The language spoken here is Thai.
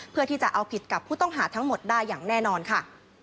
เพื่อที่จะเอาผิดกับผู้ต้องหาทั้งหมดได้อย่างแน่นอนค่ะ